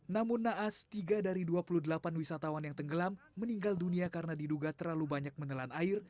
namun naas tiga dari dua puluh delapan wisatawan yang tenggelam meninggal dunia karena diduga terlalu banyak menelan air